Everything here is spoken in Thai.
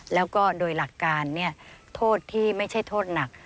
แล้วก็โดยหลักการโทษที่ไม่ใช่โทษหนัก